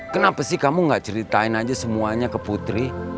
kenapa sih kamu gak ceritain aja semuanya ke putri